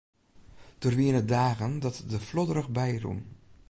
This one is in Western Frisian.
Der wiene dagen dat er der flodderich by rûn.